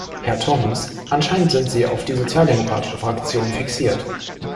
Herr Turmes, anscheinend sind Sie auf die Sozialdemokratische Fraktion fixiert.